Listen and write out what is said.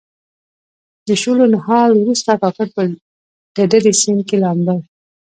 د شولو نهال وروسته کاکړ په ډډي سیند کې لامبل.